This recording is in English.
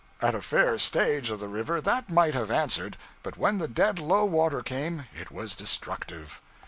At a fair stage of the river that might have answered; but when the dead low water came it was destructive.